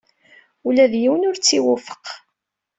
Ula d yiwen ur tt-iwufeq.